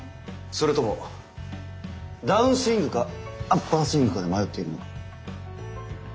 それともダウンスイングかアッパースイングかで迷っているのか？